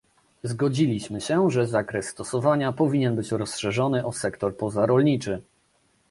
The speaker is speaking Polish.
Zgodziliśmy się, że zakres stosowania powinien być rozszerzony o sektor pozarolniczy